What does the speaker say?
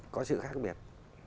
có sự khác biệt